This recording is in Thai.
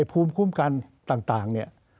ภูมิคุ้มกันต่าง